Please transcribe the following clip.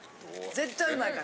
絶対うまいから。